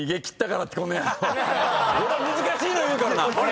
俺は難しいの言うからな！